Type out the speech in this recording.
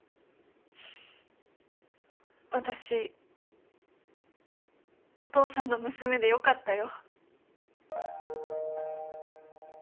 私お父さんの娘でよかったよ。